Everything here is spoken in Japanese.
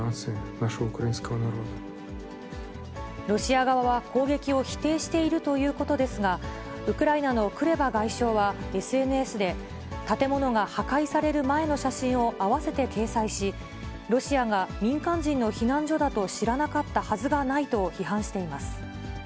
ロシア側は、攻撃を否定しているということですが、ウクライナのクレバ外相はＳＮＳで、建物が破壊される前の写真を併せて掲載し、ロシアが民間人の避難所だと知らなかったはずがないと批判しています。